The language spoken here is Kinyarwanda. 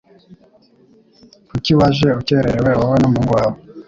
Kuki waje ukererewe wowe n'umuhungu wawe?